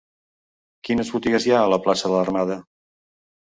Quines botigues hi ha a la plaça de l'Armada?